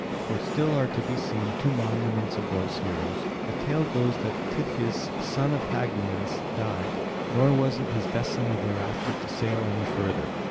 For still are to be seen two monuments of those heroes. The tale goes that Tiphys son of Hagnias died; nor was it his destiny thereafter to sail any further.